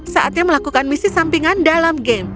saatnya melakukan misi sampingan dalam game